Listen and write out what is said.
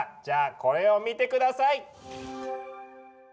じゃあこれを見て下さい！